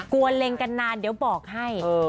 เล็งกันนานเดี๋ยวบอกให้